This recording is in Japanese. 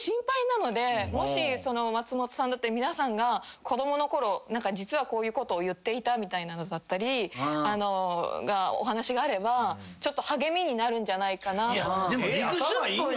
もし松本さんだったり皆さんが子供のころ実はこういうことを言っていたみたいなのだったりお話があれば励みになるんじゃないかな。